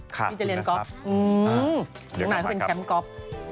นี่จะเรียนกอล์ฟหลังหน่อยเขาเป็นแชมป์กอล์ฟ